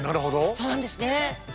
そうなんですね。